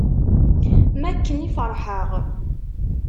Mi akken i ferḥeɣ.